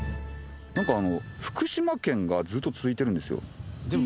福島県がずっと続いてるんですよ。